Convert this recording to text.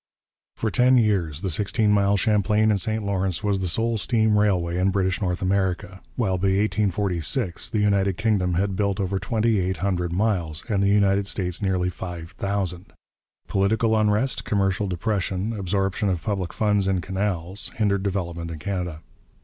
] For ten years the sixteen mile Champlain and St Lawrence was the sole steam railway in British North America, while by 1846 the United Kingdom had built over twenty eight hundred miles, and the United States nearly five thousand. Political unrest, commercial depression, absorption of public funds in canals, hindered development in Canada.